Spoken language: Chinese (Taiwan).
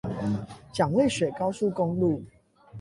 蔣渭水高速公路